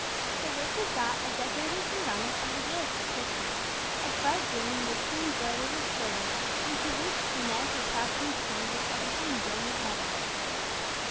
The work was that of decorating some garment of the gayest description, of bright green richly embroidered with silver, into which Inez was fastening spangles of the same brilliant metal.